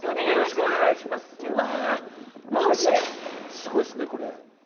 すごいですね、これ。